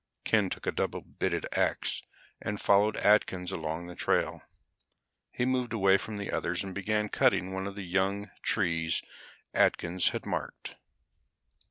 Ken took a double bitted ax and followed Atkins along the trail. He moved away from the others and began cutting one of the young trees Atkins had marked.